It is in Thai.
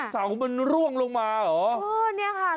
เสามันร่วงลงมาเหรอ